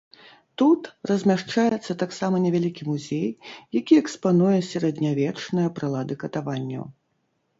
Тут размяшчаецца таксама невялікі музей, які экспануе сярэднявечныя прылады катаванняў.